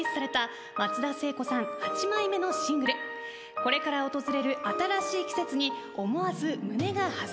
これから訪れる新しい季節に思わず胸が弾む。